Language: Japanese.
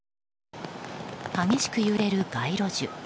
激しく揺れる街路樹。